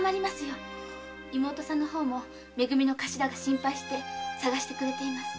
妹さんの方もめ組の頭が心配して捜しています。